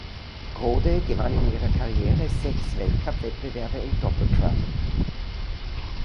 Rhode gewann in ihrer Karriere sechs Weltcup-Wettbewerbe im Doppeltrap.